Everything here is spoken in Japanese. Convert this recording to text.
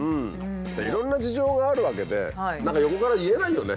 いろんな事情があるわけで何か横から言えないよね。